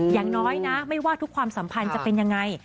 อย่างน้อยนะไม่ว่าทุกความสัมพันธ์จะเป็นยังไง